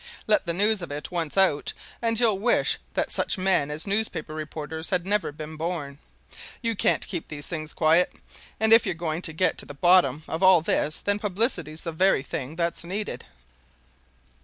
Let the news of it once out, and you'll wish that such men as newspaper reporters had never been born. You can't keep these things quiet; and if we're going to get to the bottom of all this, then publicity's the very thing that's needed."